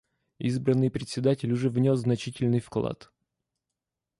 Избранный Председатель уже внес значительный вклад.